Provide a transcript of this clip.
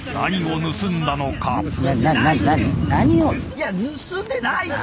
「いや盗んでないって！」